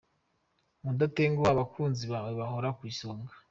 Mudatenguha abakunzi bawe gahore ku isonga.